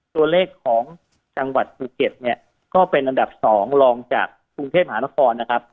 ตัวเลขของจังหวัดภูเก็ตเนี่ยก็เป็นอันดับ๒ลองจากกรุงเทพมหานครนะครับ